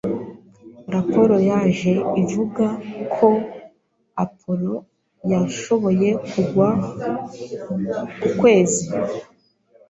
Raporo yaje ivuga ko Apollo yashoboye kugwa ku kwezi.